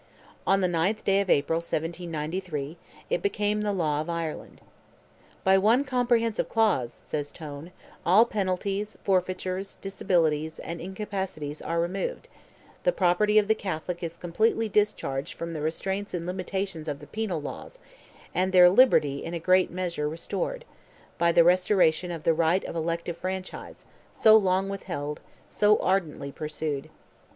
On the 9th day of April, 1793, it became the law of Ireland. "By one comprehensive clause," says Tone, "all penalties, forfeitures, disabilities, and incapacities are removed; the property of the Catholic is completely discharged from the restraints and limitations of the penal laws, and their liberty, in a great measure, restored, by the restoration of the right of elective franchise, so long withheld, so ardently pursued.